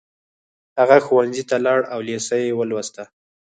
هغه ښوونځي ته لاړ او لېسه يې ولوسته